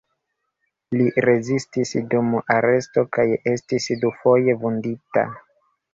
Li rezistis dum aresto kaj estis dufoje vundita.